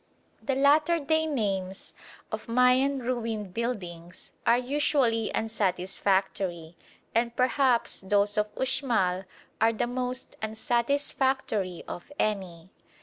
The latter day names of Mayan ruined buildings are usually unsatisfactory, and perhaps those of Uxmal are the most unsatisfactory of any.